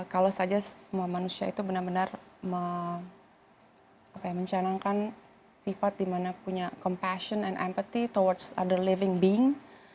kalau saja semua manusia itu benar benar mencanangkan sifat dimana punya compassion and empatty towards other living being